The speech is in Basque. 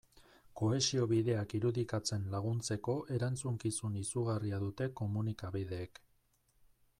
Kohesio bideak irudikatzen laguntzeko erantzukizun izugarria dute komunikabideek.